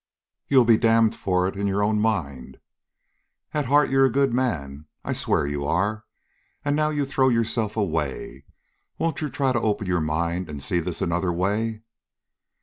"You'll be damned for it in your own mind. At heart you're a good man; I swear you are. And now you throw yourself away. Won't you try to open your mind and see this another way?"